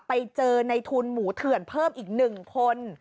ไปเจอในทุนหมูเถื่อนเพิ่มอีก๑คน